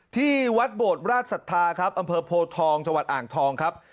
ที่วัดโบดราชศรัทธาครับอำเภอโพทองจังหวัดอ่างทองครับ